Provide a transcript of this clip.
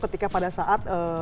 ketika pada saat